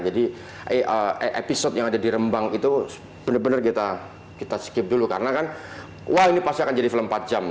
episode yang ada di rembang itu benar benar kita skip dulu karena kan wah ini pasti akan jadi film empat jam